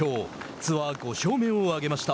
ツアー５勝目を挙げました。